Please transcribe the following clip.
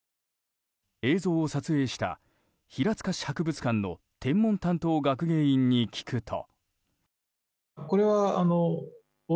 映像を撮影した、平塚市博物館の天文担当学芸員に聞くと。